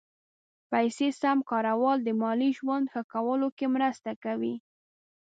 پیسې سم کارول د مالي ژوند ښه کولو کې مرسته کوي.